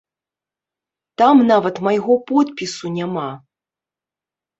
Там нават майго подпісу няма.